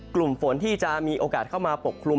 กลุ่มฝนที่จะมีโอกาสเข้ามาปกคลุม